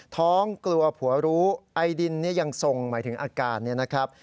ท้องกลัวผัวรู้ไอดินเนี่ยยังทรงหมายถึงอาการเนี่ยนะครับ